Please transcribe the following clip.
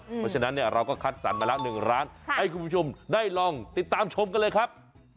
เพราะฉะนั้นเนี่ยเราก็คัดสรรมาแล้ว๑ร้านให้คุณผู้ชมได้ลองติดตามชมกันเลยครับ